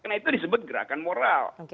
karena itu disebut gerakan moral